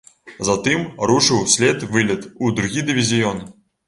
Затым рушыў услед вылет у другі дывізіён.